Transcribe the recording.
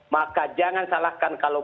maka jangan salahkan kalau